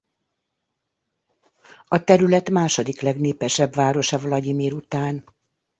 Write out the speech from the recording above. A terület második legnépesebb városa Vlagyimir után.